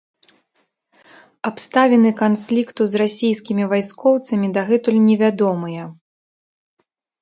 Абставіны канфлікту з расійскімі вайскоўцамі дагэтуль невядомыя.